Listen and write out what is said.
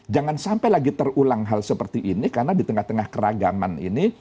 jangan sampai lagi terulang hal seperti ini karena di tengah tengah keragaman ini